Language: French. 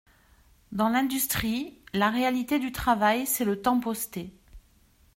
Dans l’industrie, la réalité du travail, c’est le temps posté.